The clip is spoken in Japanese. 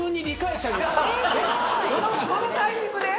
どのタイミングで？